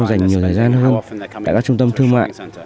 dành nhiều thời gian hơn tại các trung tâm thương mại